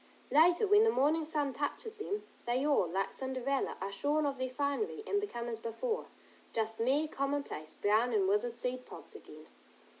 Later, when the morning sun touches them, they all, like Cinderella, are shorn of their finery, and become as before, just mere commonplace, brown and withered seed pods again.